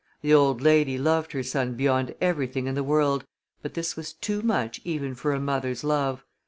The old lady loved her son beyond everything in the world, but this was too much even for a mother's love.